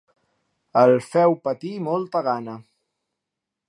El feu patir molta gana.